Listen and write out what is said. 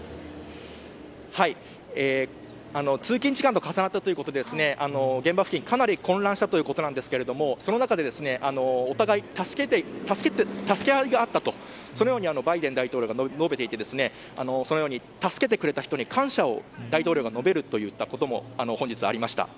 通勤時間と重なったということで現場付近はかなり混乱したということですがその中で、お互い助け合いがあったとそのようにバイデン大統領が述べていて助けてくれた人に感謝を大統領が述べるといったことも本日ありました。